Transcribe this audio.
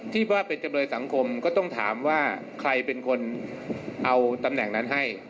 ที่ว่าเป็นจำเลยสังคมก็ต้องถามว่าใครเป็นคนเอาตำแหน่งนั้นให้